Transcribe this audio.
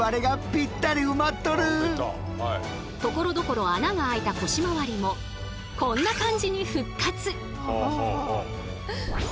ところどころ穴が開いた腰回りもこんな感じに復活！